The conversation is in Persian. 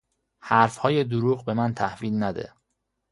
حرفهای دروغ به من تحویل نده!